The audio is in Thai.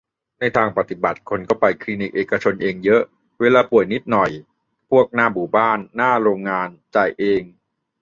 ในทางปฏิบัติคนก็ไปคลินิคเอกชนเองเยอะ เวลาป่วยนิดหน่อย พวกหน้าหมู่บ้านหน้าโรงงาน จ่ายเอง